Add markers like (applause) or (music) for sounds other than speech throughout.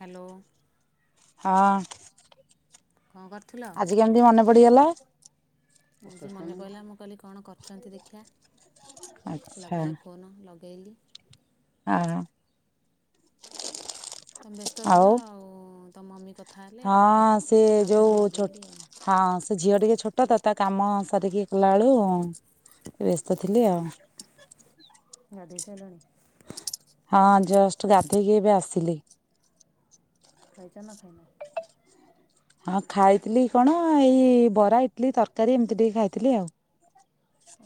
Hello. ହଁ। କଣ କରୁଥିଲ ଆଜି କେମିତି ମନେ ପଡିଗଲା ଆଜି ମନେ ପଡ଼ିଲା। ମୁଁ କହିଲି କଣ କରୁଛନ୍ତି ଦେଖିିବା। ଆଚ୍ଛା ଲଗାଏ ଫୋନ ଲଗେଇଲି। ହଁ। ତମେ ବ୍ୟସ୍ତ ଆଉ ଥିଲ ଆଉ। ମମି କଥା। ହେଲେ ତାପରେ ହଁ, ସେ ଆଉଥରେ ଯୋଉ। ଲଗେଇଲି ଆଉ ହଁ, ସେ ଝିଅ ଟିକେ ଛୋଟ ତ। ତା କାମ ସାରିକି। ଲାଳୁ ବ୍ୟସ୍ତ ଥିଲି ଆଉ। ହଁ, ଗାଧେଇ ସାରିଲଣି ଜଷ୍ଟ ଗାଧେଇକି ଏବେ ଆସିଲି। ଖାଇଛ। ନା ଖାଇନା ହଁ ଖାଇଥିଲି। କଣ ଏଇ ବରା, ଇଟଲିୀ, ତରକାରୀ ଏମିତି ଟିକେ ଖାଇଥିଲି ଆଉ।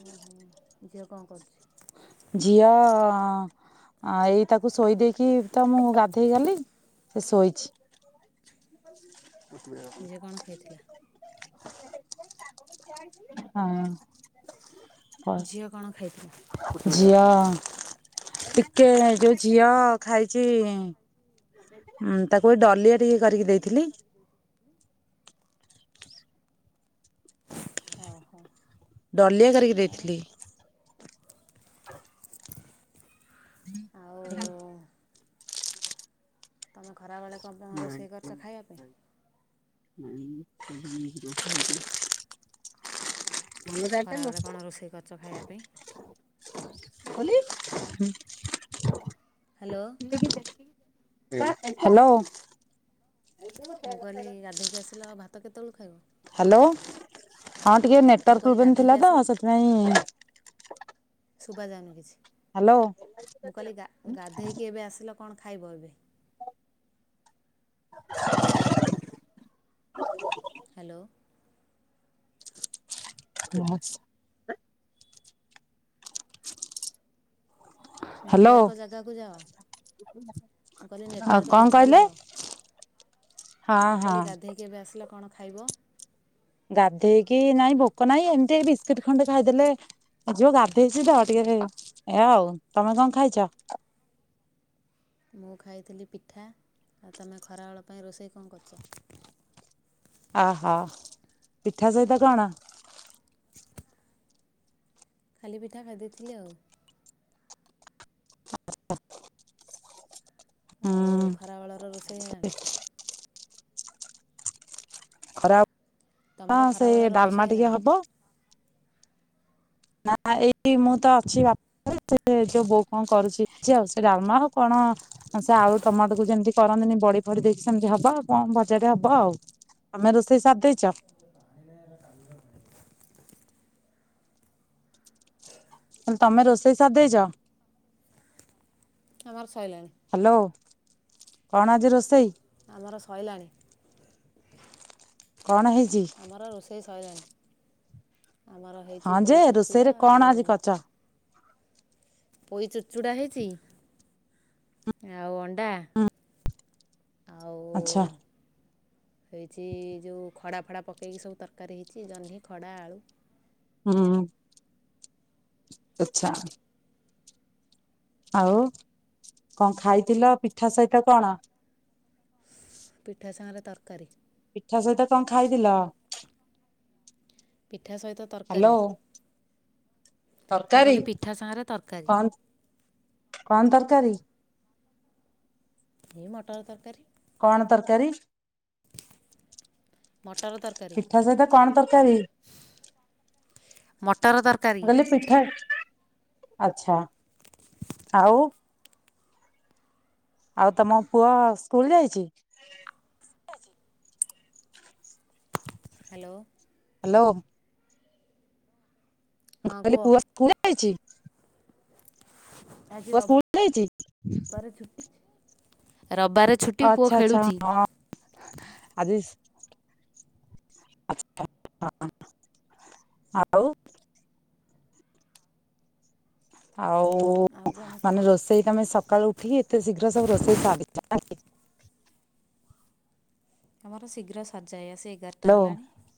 ଓହୋ ଝିଅ କଣ କରୁଛି? ଝିଅ ଏଇ ତାକୁ ଶୋଇ ଦେଇେଇକି ତ ମୁଁ ଗାଧେଇ ଗଲି। ସେ ଶୋଇଛି। ନିଜେ କଣ ଖାଇଥିଲା? ହଁ। ଝିଅ କଣ ଖାଇଥିଲା? ଝିଅ ହଁ, ଟିକେ, ଯୋଉ ଝିଅ ଖାଇଛି। ତାକୁ (unintelligible) କରିକି ଦେଇଥିଲି (inaudible) ଡଲିଆ କରିକି ଦେଇଥିଲି। ଆଉ ତମେ ଖରା ବେଳେ। ସବୁ କଣ ରୋଷେଇ କରିଛ ଖାଇବା ପାଇଁ? ଖରା ବେଳେ କଣ ରୋଷେଇ କରିଛ ଖାଇବା ପାଇଁ। କୋଲି ହ ହ୍ୟାଲୋ ହ୍ୟାଲୋ (unintelligible) ଆଲୋ ଭାତ କେତେବେଳକୁ ଖାଇବୁ। ହ୍ୟାଲୋ ହଁ ଟିକେ ମୁଁ ନେଟୱାର୍କ କହିଲି ପ୍ରୋବନ୍ ଗାଧୋଇକି ଥିଲା ତ ଆସିଲ ସେଥିପାଇଁ। ଶୁଭା ଯାଉନି କିଛି। ହ୍ୟାଲୋ ମୁଁ କାଲି ଗା ଗାଧେଇକି ଏବେ ଆସିଲ କଣ ଖାଇବ ଏବେ? ହ୍ୟାଲୋ ବସ୍ ହ୍ୟାଲୋ ନେଟୱାର୍କ ଜାଗାକୁ ଯାଅ ମୁଁ କହିଲି ଆଉ ନେଟୱାର୍କ କଣ ଜାଗାକୁ କହିଲେ ଯାଅ। ହଁ ମୁଁ ହଁ କହିଲି ଗାଧେଇକ ଏବେ ଆସିଲା କଣ? ଖାଇବ? ଗାଧେଇକି ନାଇଁ ଭୋକ ନହିଁ ଏମିତି ବିସ୍କୁଟ ଖଣ୍ଡେ ଖାଇଦେଲେ ଯିଉ ଗାଧେଇଛି ତ ଟିକେ ଏ ଆଉ ତମେ କଣ ଖାଇଛ? ମୁଁ ଖାଇଥିଲି ପିଠା ଆଉ ତମେ ଖରାବେଳ ପାଇଁ ରୋଷେଇ କଣ କରୁଛ? ଆ ହୋ ପିଠା ସହିତ କଣ? ଖାଲି ପିଠା ଖାଇଦେଇଥିଲି ଆଉ। (unintelligible) ଆଉ ଖରାବେଳର ରୋଷେଇ ହେଲାଣି ହଁ। ଖରାପ ତୁମର ହଁ ସେଇ ଖରାବେଳର ରୋଷେଇ ଡାଲମା ହେଲାଣି ଟିକେ ହବ। ନା ଏଇ ମୁଁ ତ ଅଛି ବାପା ସେ ଯୋଉ ବୋଉ କଣ କରୁଛି ଆଉ ସେ ଡାଲମା ଆଉ କଣ ସେ ଆଉୁ ତମାଟୋକୁ ଯେମିତି କରନ୍ତିନି ବଡି ଫଡି ଦେଇକି ସେମିତି ହବ ଆଉ କଣ ଭଜାଟେ ହବ ଆଉ ତମେ କଣ ରୋଷେଇ ସାରି ଦେଇଛ। ଆଇ କଲ (inaudible) ହେଲେ ତମେ ରୋଷେଇ ସାରି ଦେଇଛ। ଆମର ସଇଲାଣି ହ୍ୟାଲୋ କଣ ଆଜି ରୋଷେଇ? ଆମର ସଇଲାଣି। କଣ ହେଇଛି ଆମର ରୋଷେଇ ସଇଲାଣି। ଆମର ହେଇଛି ହଁ ପୋଇ ଯେ ଚୁଡ଼ଚୁଡ଼ା ରୋଷେଇରେ ଆଉ କଣ ଆଜି କରିଚ? ପୋଇ ଚୁଚୁଡା ହେଇଛି ଆଉ ଅଣ୍ଡା ହୁଁ ଆଉ ଆଚ୍ଛା। ହେଇଛି ଯୋଉ ଖଡ଼ା ଫଡ଼ା ପକେଇକି ସବୁ ତରକାରୀ ହେଇଛି ଜହ୍ନି ଖଡ଼ା ଆଳୁ ହୁଁ ଆଚ୍ଛା। ଆଉ କଣ ଖାଇଥିଲ ପିଠା ସହିତ କଣ? ପିଠା ସାଙ୍ଗରେ ତର କାରି। ପିଠା ସହିତ କଣ ଖାଇଥିଲ? ପିଠା ସହିତ ତରକାରୀ। ହ୍ୟାଲୋ ମୁଁ ତରକାରୀ କହିଲି ପିଠା ସାଙ୍ଗରେ ତରକାରୀ କଣ କଣ ତର କାରି। ଏ ମଟର ତରକାରୀ। କଣ ତରକାରୀ। ମଟର ତରକାରୀ ପିଠା ସହିତ କଣ ତରକାରୀ। ମୋ। ଆଲେ ପିଠ। ଆଛା ଆଉ। ଆଉ ତମ ପୁଅ ସ୍କୁଲ ଯାଇଛି। ହ୍ୟାଲୋ। ହ୍ୟାଲୋ। ମୁଁ ହଁ କହିଲଲି କୁହ ପୁଅ ଇସକୁଲ ଯାଇଛି। (inaudible) ଆଜି ପୁଅ ସ୍କୁଲ ଯାଇଛି। ରିବାର ଛୁଟି ପୁଅ ଆଚ୍ଛା ଆଚ୍ଛା ଖେଳୁଛି। ହ ଆଉ। (inaudible) ଆଉ କଣ କୁହ ମାନେ ରୋଷେଇ ତମେ ସକାଳୁ ଉଠିକି ଏତେ ଶୀଘ୍ର ସବୁ ରୋଷେଇ ସାରିଛ ନଅ କି। ଆମର ଶୀଘ୍ର ସଜଯାଇ ଆସେ। ଏ ଗାରଟା ହ୍ୟାଲୋ ହେଲାଣି।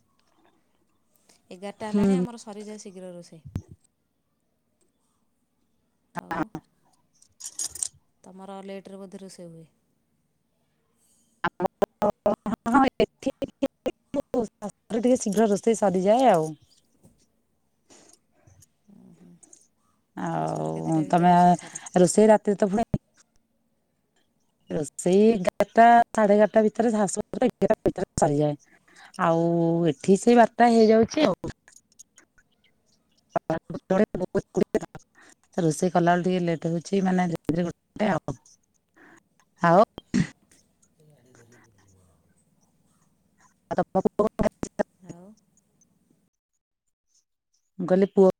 ଏଗାରଟା ହୁଁ ହେଲାଣି ଆମର ଶରିଯାଏ ଶୀଘ୍ର ରୋଷେଇ। ଆଉ ହଁ। ର ଲେଟ୍ ରେ ବୋଧେ ରୋଷେଇ ହୁଏ? (unintelligible) ଏଠି ଟିକେ ଶୀଘ୍ର ରୋଷେଇ ସରିଯାଏ ଆଉ। ଶାଶୁଘର ଆଉ କେତେଟା ଭିତରେ ତମେ ରୋଷେଇ ସାର ରୋଷେଇ ରାତିରେ ତ ପୁଣି ରୋଷେଇ ଏଗାରଟା ସାଢେ ଏଗାରଟା ଭିତରେ ଶାଶୁ ଘରେ ଏଗାରଟା ଭିତରେ ସରିଯାଏ, ଆଉ ଏଠି ସେଇ ବାରଟା ହେଇଯାଉଛି ଆଉ। (unintelligible) ରୋଷେଇ କଲାବେଳେ ଟିକେ ଲେଟ ହଉଛି ମାନେ ଆଉ ଆଉ (unintelligible) ମୁଁ କହିଲି ପୁଅ